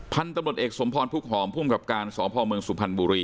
พันธุ์ตำรวจเอกสมพรภูกฮอมพุ่มกับการสอบภอมเมืองสุภัณฑ์บุรี